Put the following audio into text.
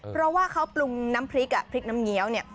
เพราะว่าเขาปรุงน้ำพริกอ่ะพริกน้ำเงี้ยวเนี่ย